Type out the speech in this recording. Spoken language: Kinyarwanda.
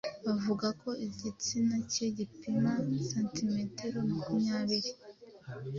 bavuga ko igitsina cye gipima santimetero makumyabiri